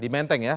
di menteng ya